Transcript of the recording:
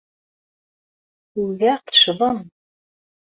Ugaɣ teccḍem.